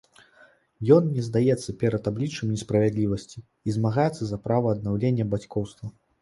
Ён не здаецца перад абліччам несправядлівасці і змагаецца за права аднаўлення бацькоўства.